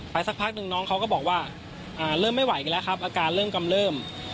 สักพักนึงน้องเขาก็บอกว่าเริ่มไม่ไหวกันแล้วครับอาการเริ่มกำเริบ